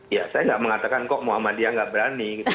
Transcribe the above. ya saya nggak mengatakan kok muhammadiyah nggak berani gitu